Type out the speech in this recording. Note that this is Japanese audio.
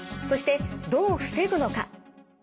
そしてどう防ぐのか。